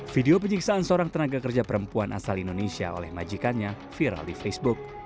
video penyiksaan seorang tenaga kerja perempuan asal indonesia oleh majikannya viral di facebook